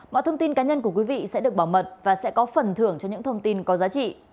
mọi thông tin cá nhân của quý vị sẽ được bảo mật và sẽ có phần thưởng cho những thông tin có giá trị